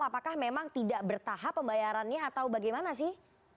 apakah memang tidak bertahap pembayarannya atau bagaimana sih